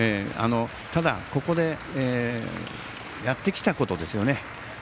ただ、ここでやってきたことですよね。